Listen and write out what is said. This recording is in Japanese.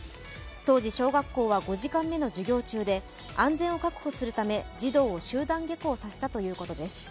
当時、小学校は５時間目の授業中で安全を確保するため、児童を集団下校させたということです。